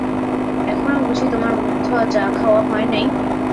এখনো বুঝি তোমার মুখধোওয়া চা-খাওয়া হয় নাই?